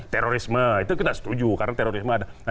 terorisme itu kita setuju karena terorisme ada